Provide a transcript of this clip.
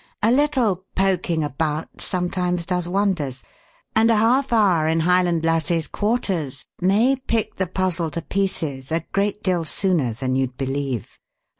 "A little 'poking about' sometimes does wonders, and a half hour in Highland Lassie's quarters may pick the puzzle to pieces a great deal sooner than you'd believe.